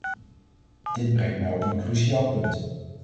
Dit brengt mij op een cruciaal punt.